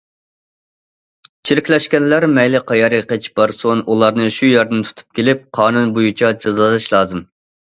چىرىكلەشكەنلەر مەيلى قەيەرگە قېچىپ بارسۇن ئۇلارنى شۇ يەردىن تۇتۇپ كېلىپ، قانۇن بويىچە جازالاش لازىم.